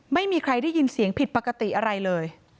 ไม่มีใครได้ยินเสียงผิดปกติอะไรเลย